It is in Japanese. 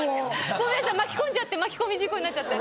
ごめんなさい巻き込んじゃって巻き込み事故になっちゃって。